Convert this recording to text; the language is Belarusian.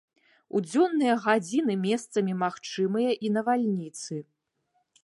У дзённыя гадзіны месцамі магчымыя і навальніцы.